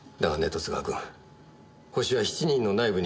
十津川君ホシは７人の内部にいたのではない。